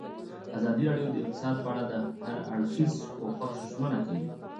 ازادي راډیو د اقتصاد په اړه د هر اړخیز پوښښ ژمنه کړې.